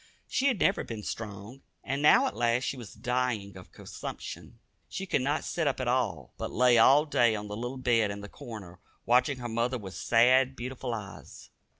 She had never been strong, and now at last she was dying of consumption. She could not sit up at all, but lay all day on the little bed in the corner, watching her mother with sad, beautiful eyes.